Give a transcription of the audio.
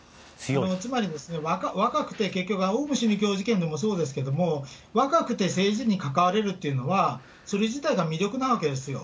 つまり、若くて結局、オウム真理教事件でもそうですけども、若くて政治に関われるというのは、それ自体が魅力なわけですよ。